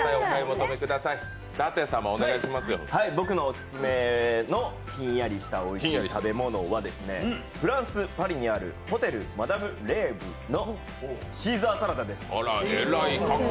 僕のおすすめのひんやりしたおすすめのものはフランス・パリにあるホテル・マダム・レーヴのシーザーサラダです。